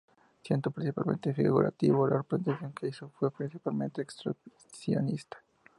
Siendo principalmente figurativo, la representación que hizo fue principalmente expresionista.